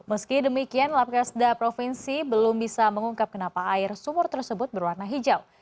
meski demikian labkesda provinsi belum bisa mengungkap kenapa air sumur tersebut berwarna hijau